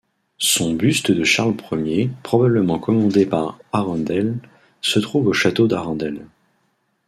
Son buste de Charles Ier, probablement commandé par Arundel, se trouve au château d'Arundel.